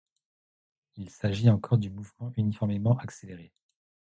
Il s'agit encore du mouvement uniformément accéléré.